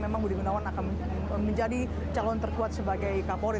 memang bin akan menjadi calon terkuat sebagai kapolri